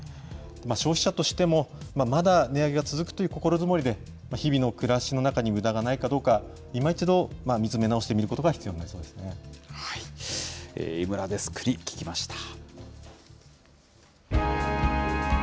消費者としても、まだ値上げが続くという心づもりで、日々の暮らしの中にむだがないかどうか、いま一度、見つめ直してみることが井村デスクに聞きました。